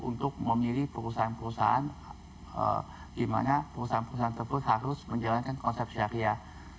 untuk memilih perusahaan perusahaan di mana perusahaan perusahaan tersebut harus menjalankan konsep syariah